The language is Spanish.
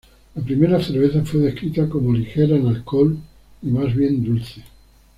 La primera cerveza fue descrito como la ligera en alcohol y más bien dulce.